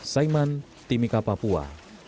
saiman timika papua